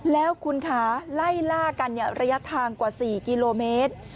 แล้วคุณคะไล่ล่ากันระยะทางกว่า๔กิโลเมตร